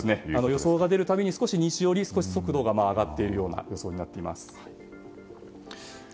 予想が出るたびに少し西寄りに速度が上がっているような予想になっています。